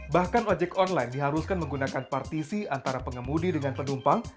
bahkan ojek online diharuskan menggunakan partisi antara pengemudi dengan penumpang